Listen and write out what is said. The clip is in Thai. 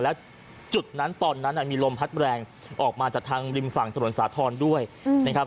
แล้วจุดนั้นตอนนั้นมีลมพัดแรงออกมาจากทางริมฝั่งถนนสาธรณ์ด้วยนะครับ